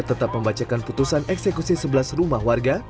tetap membacakan putusan eksekusi sebelas rumah warga